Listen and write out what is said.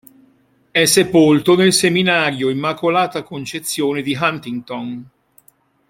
È sepolto nel seminario "Immacolata Concezione" di Huntington.